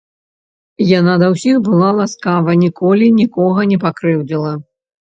Яна да ўсіх была ласкава, ніколі нікога не пакрыўдзіла.